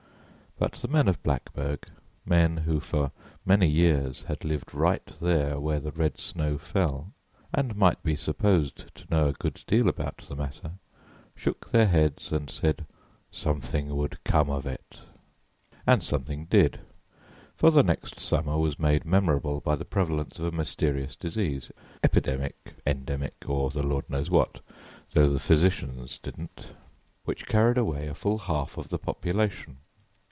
But the men of Blackburg men who for many years had lived right there where the red snow fell, and might be supposed to know a good deal about the matter shook their heads and said something would come of it. And something did, for the next summer was made memorable by the prevalence of a mysterious disease epidemic, endemic, or the Lord knows what, though the physicians didn't which carried away a full half of the population.